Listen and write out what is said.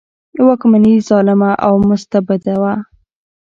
واکمني ظالمه او مستبده وه.